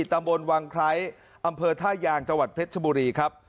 ตำบลวังไคร้อำเภอท่ายางจังหวัดเพชรชบุรีครับ